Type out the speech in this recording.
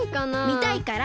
みたいから！